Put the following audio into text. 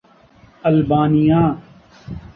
Albania